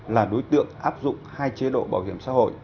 là đối tượng áp dụng hai chế độ bảo hiểm xã hội